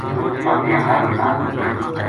سورت فاتحہ ہر رکات ما پڑھنی۔